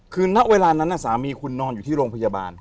คือณเวลานั้นสามีคุณนอนอยู่ที่โรงพยาบาล